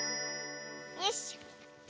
よいしょ。